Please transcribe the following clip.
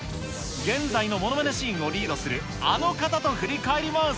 現在のものまねシーンをリードするあの方と振り返ります。